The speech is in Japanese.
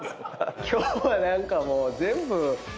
今日は何かもう全部。